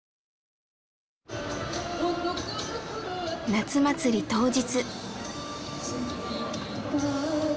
夏祭り当日。